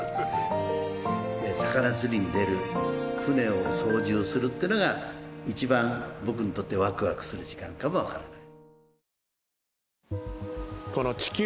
魚釣りに出る船を操縦するっていうのが一番僕にとってワクワクする時間かもわからない。